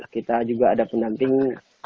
kita juga ada pendamping